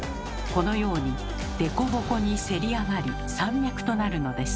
このように凸凹にせり上がり山脈となるのです。